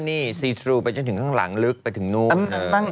นี่ซีทรูไปจนถึงข้างหลังลึกไปถึงนู้น